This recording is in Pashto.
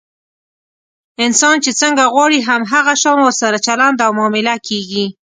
انسان چې څنګه غواړي، هم هغه شان ورسره چلند او معامله کېږي.